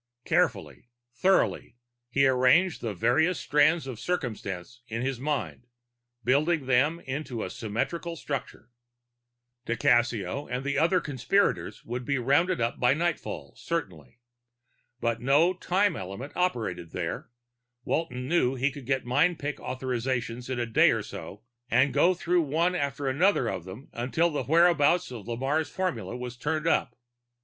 Carefully, thoughtfully, he arranged the various strands of circumstance in his mind, building them into a symmetrical structure. Di Cassio and the other conspirators would be rounded up by nightfall, certainly. But no time element operated there; Walton knew he could get mind pick authorizations in a day or so, and go through one after another of them until the whereabouts of Lamarre's formula turned up.